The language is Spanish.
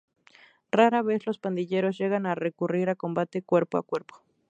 Rara vez los pandilleros llegan a recurrir a combate cuerpo a cuerpo.